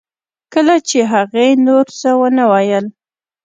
کله چې هغې نور څه ونه ویل